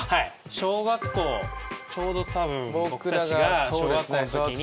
小学校ちょうどたぶん僕たちが小学校の時に。